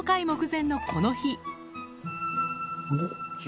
あれ？